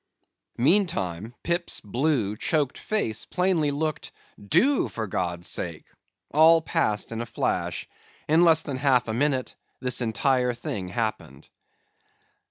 Meantime Pip's blue, choked face plainly looked, Do, for God's sake! All passed in a flash. In less than half a minute, this entire thing happened.